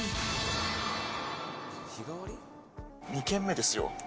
２軒目ですよ？